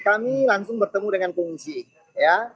kami langsung bertemu dengan pengungsi ya